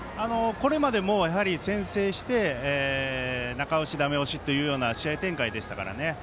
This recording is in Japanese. これまでも先制して、中押しダメ押しという試合展開でしたからね。